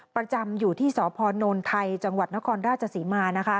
ประจำอยู่ที่สพนไทยจังหวัดนครราชศรีมานะคะ